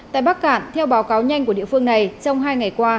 tại bắc cạn theo báo cáo nhanh của địa phương này trong hai ngày qua